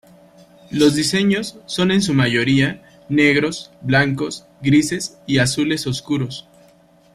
Los diseños son en su mayoría negros, blancos, grises y azules oscuros.